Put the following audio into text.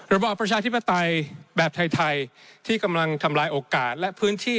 ระบอบประชาธิปไตยแบบไทยที่กำลังทำลายโอกาสและพื้นที่